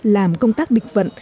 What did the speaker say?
làm công tác địch vận